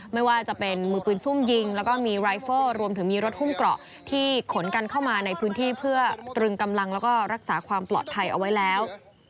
ไม่ว่าจะเป็นมือปืนซุ่มยิงแล้วก็มีรายเฟอร์รวมถึงมีรถหุ้มเกราะที่ขนกันเข้ามาในพื้นที่เพื่อตรึงกำลังแล้วก็รักษาความปลอดภัยเอาไว้แล้ว